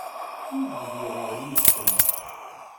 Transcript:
Ur bdideɣ yid-sent.